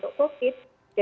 maka dalam setting ini